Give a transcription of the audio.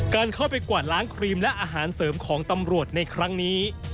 การเข้าไปกวาดล้างครีมและอาหารเสริมของตำรวจในครั้งนี้